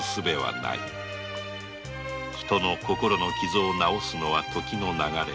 人の心の傷を治すのは時の流れ。